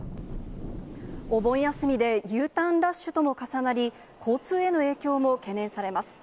お盆休みでＵターンラッシュとも重なり、交通への影響も懸念されます。